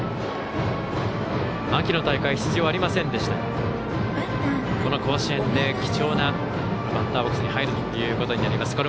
秋の大会出場ありませんでしたがこの甲子園で貴重なバッターボックスに入るということになります。